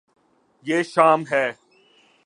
یے شام ہے